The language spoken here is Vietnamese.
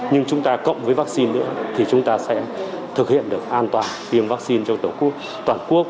nhưng chúng ta cộng với vaccine nữa thì chúng ta sẽ thực hiện được an toàn tiêm vaccine cho tổ quốc toàn quốc